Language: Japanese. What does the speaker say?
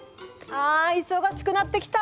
あ忙しくなってきた！